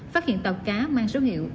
phát hiện tàu cá mang số hiệu